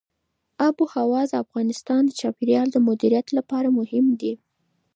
آب وهوا د افغانستان د چاپیریال د مدیریت لپاره مهم دي.